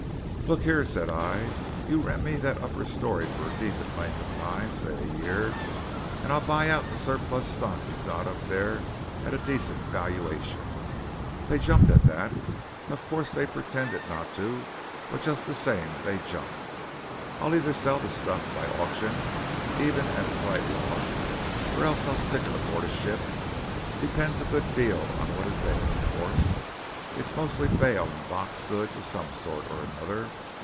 "'Look here,' said I, 'you rent me that upper story for a decent length of time say a year and I'll buy out the surplus stock you've got up there at a decent valuation.' They jumped at that; of course they pretended not to, but just the same they jumped. I'll either sell the stuff by auction, even if at a slight loss, or else I'll stick it aboard a ship. Depends a good deal on what is there, of course. It's mostly bale and box goods of some sort or another.